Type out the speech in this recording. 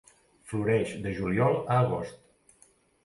Floreix de juliol a agost.